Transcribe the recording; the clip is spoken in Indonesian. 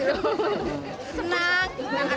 sekarang sudah bersih bagus gitu